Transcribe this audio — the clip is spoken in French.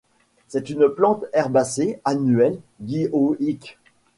C'est une plante herbacée annuelle dioïque.